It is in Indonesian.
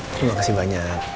terima kasih banyak